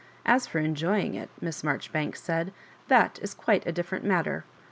As for enjoying it," Miss Marjoribanks said, " that is quite a different matter.